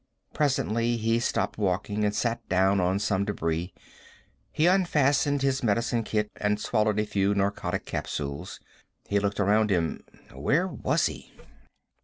Presently he stopped walking and sat down on some debris. He unfastened his medicine kit and swallowed a few narcotic capsules. He looked around him. Where was he?